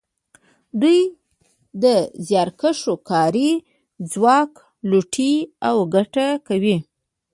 دوی د زیارکښو کاري ځواک لوټوي او ګټه کوي